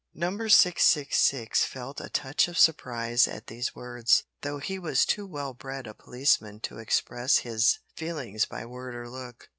Number 666 felt a touch of surprise at these words, though he was too well bred a policeman to express his feelings by word or look.